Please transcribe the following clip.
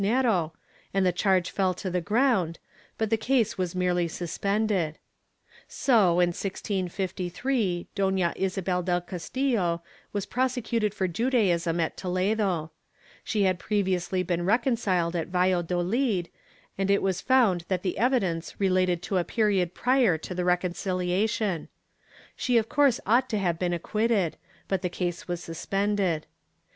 Chap. I] ADMISSION TO BAIL 111 was limosnero and the charge fell to the ground, but the case was merely suspended. So, in 1653, Dona Isabel del Castillo was prosecuted for Judaism at Toledo. She had previously been reconciled at Valladolid, and it was found that the evidence related to a period prior to the reconciliation. She of course ought to have been acquitted, but the case was suspended.